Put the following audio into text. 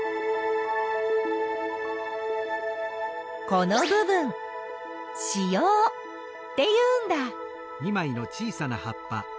この部分子葉っていうんだ。